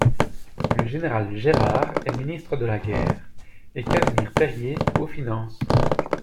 Le général Gérard est ministre de la Guerre, et Casimir Perier aux Finances!